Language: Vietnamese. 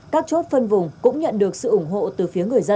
các chốt phân vùng cũng nhận được sự ủng hộ từ phía người dân